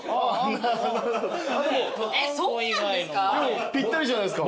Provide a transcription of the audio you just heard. そうなんですか？